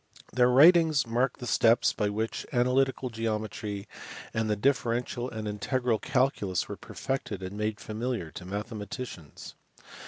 Their writings mark the steps by which analytical geometry and the diffe rential and integral calculus were perfected and made familiar to mathematicians.